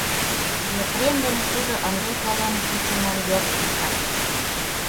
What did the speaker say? Епрем дене тудо ынде кылым кучымым йӧршын чарныш.